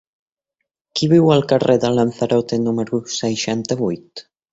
Qui viu al carrer de Lanzarote número seixanta-vuit?